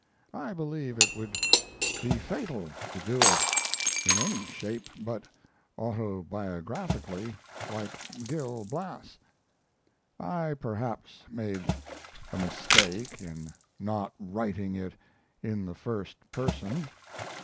I believe it would be fatal to do it in any shape but autobiographically, like Gil Blas. I perhaps made a mistake in not writing it in the first person.